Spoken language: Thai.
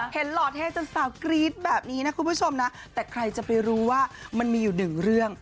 หล่อเท่จนสาวกรี๊ดแบบนี้นะคุณผู้ชมนะแต่ใครจะไปรู้ว่ามันมีอยู่หนึ่งเรื่อง